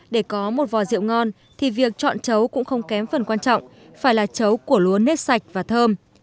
để có một vò rượu ngon thì việc chọn chấu cũng không kém phần quan trọng phải là chấu của lúa nếp sạch và thơm